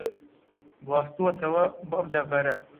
گواستووەتەوە بۆ ئەم دەڤەرە